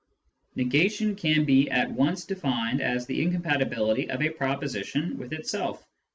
Negation can be at once defined as the incompatibility of a proposition with itself, i.